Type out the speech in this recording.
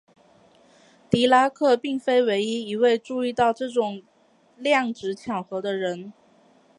狄拉克并非唯一一位注意到这种量值巧合的人。